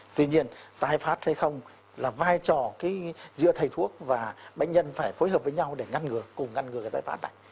tuy nhiên tai phát hay không là vai trò giữa thầy thuốc và bệnh nhân phải phối hợp với nhau để ngăn ngừa cùng ngăn ngừa cái tái phát này